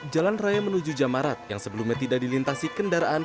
jalan raya menuju jamarat yang sebelumnya tidak dilintasi kendaraan